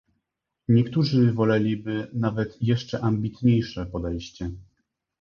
Niektórzy woleliby nawet jeszcze ambitniejsze podejście